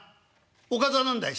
「おかずは何だい？」。